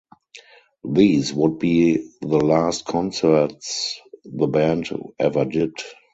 These would be the last concerts the band ever did.